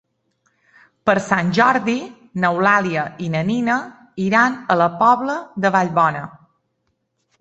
Per Sant Jordi n'Eulàlia i na Nina iran a la Pobla de Vallbona.